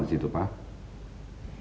jelas terpampang disitu pak